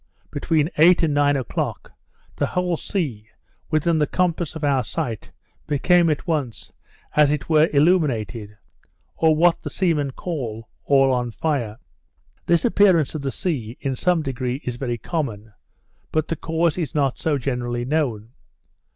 Between eight and nine o'clock, the whole sea, within the compass of our sight, became at once, as it were illuminated; or, what the seamen call, all on fire. This appearance of the sea, in some degree, is very common; but the cause is not so generally known.